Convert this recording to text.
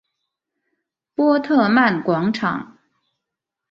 波特曼广场。